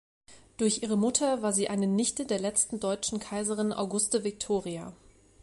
Durch ihre Mutter war sie eine Nichte der letzten Deutschen Kaiserin Auguste Viktoria.